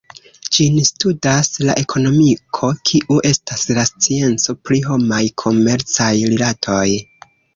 Ĝin studas la ekonomiko kiu estas la scienco pri homaj komercaj rilatoj.